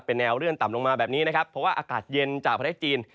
เป็นแนวเลื่อนต่ำลงมาแบบนี้นะครับเพราะว่าอากาศเย็นจากประเทศจีน